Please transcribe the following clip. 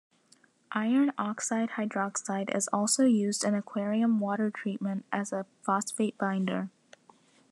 Iron oxide-hydroxide is also used in aquarium water treatment as a phosphate binder.